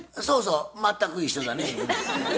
そうそう全く一緒だね。